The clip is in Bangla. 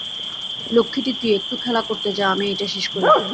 লক্ষ্মীটি, তুই একটু খেলা করতে যা, আমি এইটে শেষ করি।